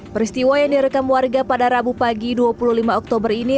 peristiwa yang direkam warga pada rabu pagi dua puluh lima oktober ini